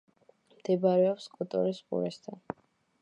მდებარეობს კოტორის ყურესთან.